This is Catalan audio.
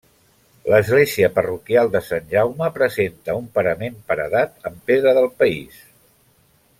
L'església parroquial de Sant Jaume presenta un parament paredat amb pedra del país.